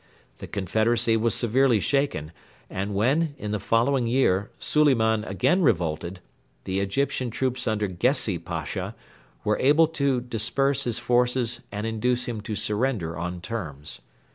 The confederacy was severely shaken, and when, in the following year, Suliman again revolted, the Egyptian troops under Gessi Pasha were able to disperse his forces and induce him to surrender on terms.